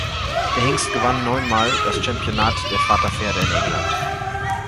Der Hengst gewann neunmal das Championat der Vaterpferde in England.